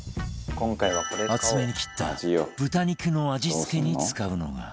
厚めに切った豚肉の味つけに使うのが